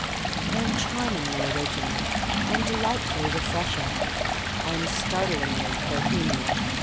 I AM charmingly original. I am de lightfully refreshing. I am start lingly Bohemian.